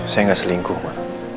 saya gak selingkuh ma